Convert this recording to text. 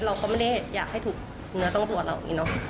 เราก็ไม่ได้อยากให้ถูกเนื้อต้องตัวเราอย่างนี้เนอะ